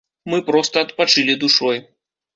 Мы проста адпачылі душой.